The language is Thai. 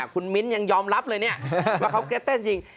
คุณมิ้นท์ยังยอมรับเลยเนี่ยว่าเขาเกรดเต้นจริง